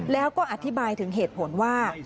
แล้วก็อธิบายถึงเหตุผลว่า